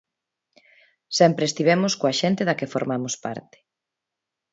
Sempre estivemos coa xente da que formamos parte.